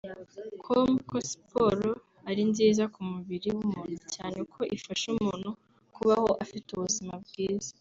com ko siporo ari nziza mu mubiri w’umuntu cyane ko ifasha umuntu kubaho afite ubuzima bwiza